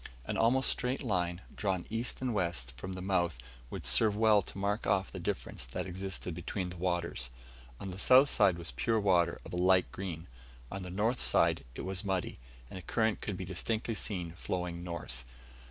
An almost straight line, drawn east and west from the mouth would serve well to mark off the difference that existed between the waters. On the south side was pure water of a light green, on the north side it was muddy, and the current could be distinctly seen flowing north.